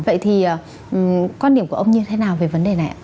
vậy thì quan điểm của ông như thế nào về vấn đề này ạ